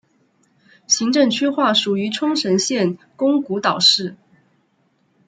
行政区划属于冲绳县宫古岛市。